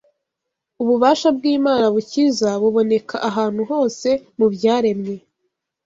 Ububasha bw’Imana bukiza buboneka ahantu hose mu byaremwe